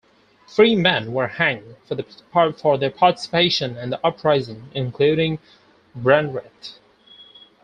Three men were hanged for their participation in the uprising, including Brandreth.